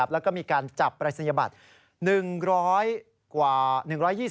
แล้วก็มีการจับปรายศนียบัตร